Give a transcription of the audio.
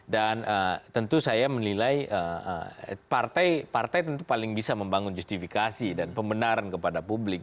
dan tentu saya menilai partai tentu paling bisa membangun justifikasi dan pembenaran kepada publik